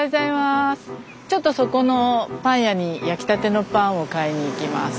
ちょっとそこのパン屋に焼きたてのパンを買いに行きます。